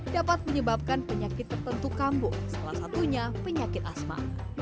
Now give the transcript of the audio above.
dapat menyebabkan penyakit tertentu kambuk salah satunya penyakit asma